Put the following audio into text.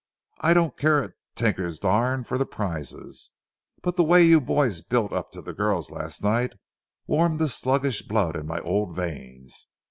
I don't care a tinker's darn for the prizes, but the way you boys built up to the girls last night warmed the sluggish blood in my old veins.